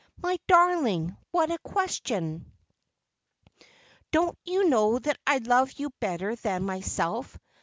My darling, what a question! Don't you know that I love you better than myself?